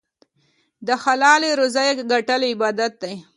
د حلالې روزۍ ګټل عبادت دی.